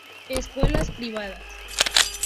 Escuelas privadas.